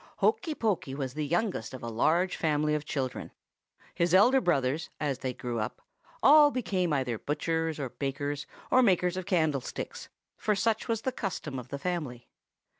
"Hokey Pokey was the youngest of a large family of children. His elder brothers, as they grew up, all became either butchers or bakers or makers of candlesticks, for such was the custom of the family.